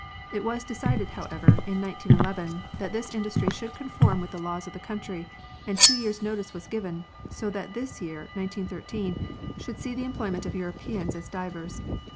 It was decided, however, in 1911 that this industry should conform to the laws of the country and two years' notice was given, so that this year, 1913, should see the employment of Europeans as divers.